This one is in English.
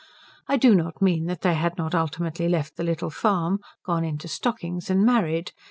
I do not mean that they had not ultimately left the little farm, gone into stockings, and married.